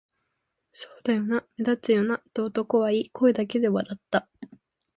「そうだよな、目立つよな」と男は言い、声だけで笑った